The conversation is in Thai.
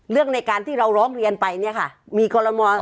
เรื่องในการที่เราร้องเรียนไปเนี่ยค่ะมีคอลโม